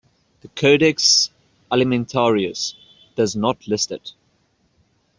The Codex Alimentarius does not list it.